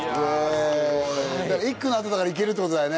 １区の後だから行けるってことだよね。